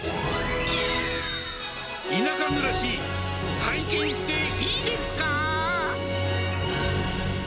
田舎暮らし、拝見していいですか？